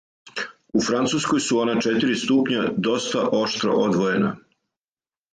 У Француској су она четири ступња доста оштро одвојена